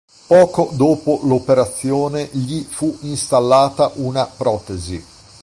Poco dopo l'operazione, gli fu installata una protesi.